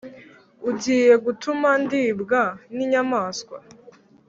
ugiye gutuma ndibwa n' inyamaswa?